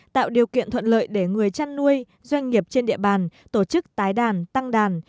tạo điều kiện thuận lợi để người chăn nuôi doanh nghiệp trên địa bàn tổ chức tái đàn tăng đàn